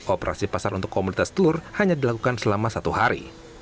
operasi pasar untuk komunitas telur hanya dilakukan selama satu hari